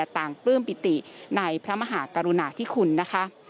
ต่างปลื้มปิติในพระมหากรุณาที่ขุนนะคะ